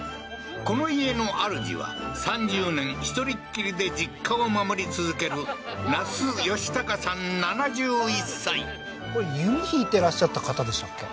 この家のあるじは３０年一人っきりで実家を守り続けるこれ弓引いてらっしゃった方でしたっけ？